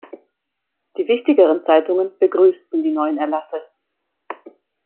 Die wichtigeren Zeitungen begrüßten die neuen Erlasse.